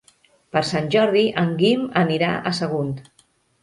Per Sant Jordi en Guim anirà a Sagunt.